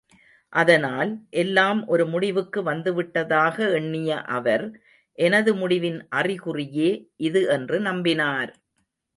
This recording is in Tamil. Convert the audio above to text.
அதனால், எல்லாம் ஒரு முடிவுக்கு வந்துவிட்டதாக எண்ணிய அவர், எனது முடிவின் அறிகுறியே இது என்று நம்பினார்!